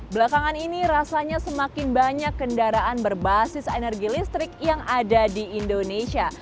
belakangan ini rasanya semakin banyak kendaraan berbasis energi listrik yang ada di indonesia